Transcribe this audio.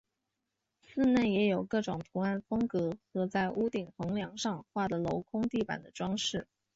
寺内也有各种图案风格和在屋顶横梁上画的镂空地板的装饰。